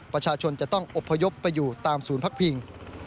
ประชาชนจะต้องอบพยพไปอยู่ตามศูนย์พักพิง